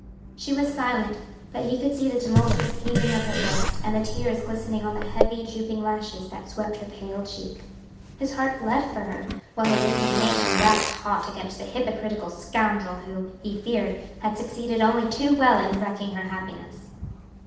She was silent, but he could see the tumultuous heaving of her breast, and the tears glistening on the heavy drooping lashes that swept her pale cheek. His heart bled for her, while his indignation waxed hot against the hypocritical scoundrel who, he feared, had succeeded only too well in wrecking her happiness.